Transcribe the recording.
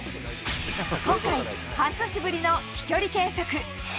今回、半年ぶりの飛距離計測。